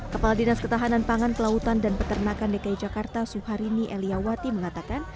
kepala dinas ketahanan pangan kelautan dan peternakan dki jakarta suharini eliawati mengatakan